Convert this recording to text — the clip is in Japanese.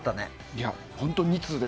いや本当、２通で。